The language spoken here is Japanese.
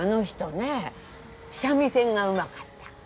三味線がうまかった。